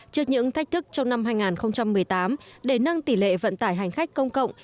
trước những thách thức trong năm hai nghìn một mươi tám để nâng tỷ lệ vận tải hành khách công cộng